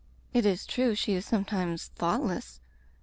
It is true she is sometimes thoughtless.